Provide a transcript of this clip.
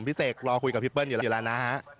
เสกรอคุยกับพี่เปิ้ลอยู่แล้วนะฮะ